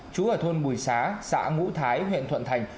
chú ở thôn bùi xá xã ngũ thái huyện thuận thành